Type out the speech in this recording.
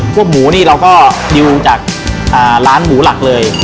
ต้องแลกหมูเราก็ดิวจากร้านหมูหลักเลย